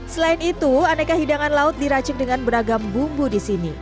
selain itu aneka hidangan laut diracik dengan beragam bumbu di sini